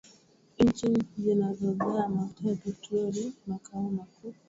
nchi zinazozaa mafuta ya petroli Makao makuu